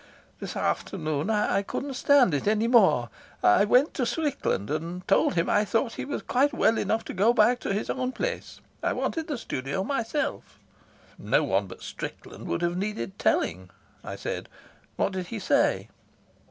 "This afternoon I couldn't stand it any more. I went to Strickland and told him I thought he was quite well enough to go back to his own place. I wanted the studio myself." "No one but Strickland would have needed telling," I said. "What did he say?"